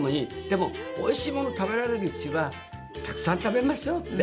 でもおいしいものを食べられるうちはたくさん食べましょうって。